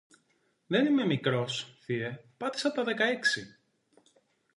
Δεν είμαι μικρός, Θείε, πάτησα τα δεκαέξι!